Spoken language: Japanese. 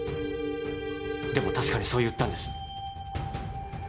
でも確かにそう言ったんです。